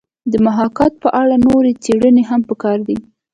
د محاکات په اړه نورې څېړنې هم پکار دي